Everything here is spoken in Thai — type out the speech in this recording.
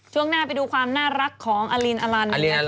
ช่วงหน้าไปดูความน่ารักของอลินอลัน